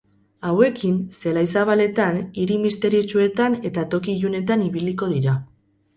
Hauekin, zelai zabaletan, hiri misteriotsuetan eta toki ilunetan ibiliko dira.